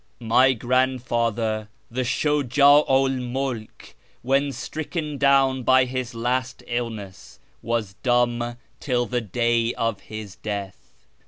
" My grandfather, the Shuj'au 'l Mtdk, when stricken down by his last illness, was dumb till the day of his death.